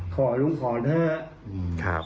ขอลุงขอเถอะ